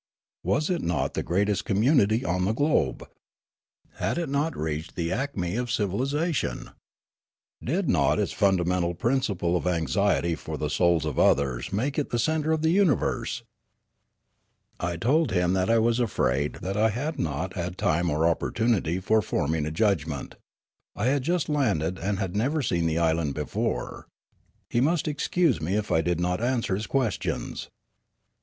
Was it not the greatest communit}^ on the globe ? Had it not reached the acme of civilisation ? Did not its fundamental principle of anxiety for the souls of others make it the centre of the universe ? I told him that I was afraid that I had not had time or opportunity for forming a judgment. I had just landed and had never seen the island before. He must excuse me if I did not answer his questions.